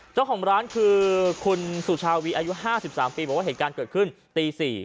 เจ้าของร้านคือคุณสุชาวีอายุ๕๓ปีบอกว่าเหตุการณ์เกิดขึ้นตี๔